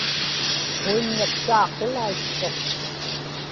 quiññaksaaqulaitchuq